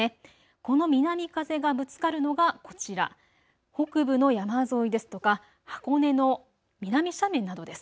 この南風がぶつかるのがこちら、北部の山沿いですとか箱根の南斜面などです。